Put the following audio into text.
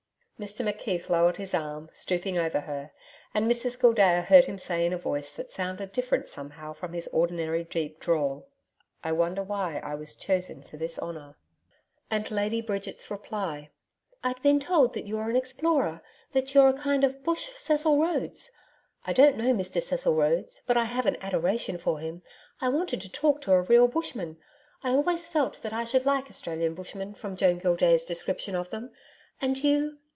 Mr McKeith lowered his arm, stooping over her, and Mrs Gildea heard him say in a voice that sounded different somehow from his ordinary deep drawl: 'I wonder why I was chosen for this honour?' And Bridget's reply: 'I'd been told that you were an explorer that you're a kind of Bush Cecil Rhodes I don't know Mr Cecil Rhodes, but I have an adoration for him I wanted to talk to a real Bushman I always felt that I should like Australian Bushmen from Joan Gildea's description of them.... And you....'